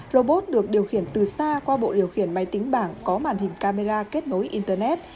robot được điều khiển từ xa qua bộ điều khiển máy tính bảng có màn hình camera kết nối internet